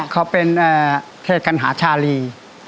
เขาเป็นเขตกัณหาชาลี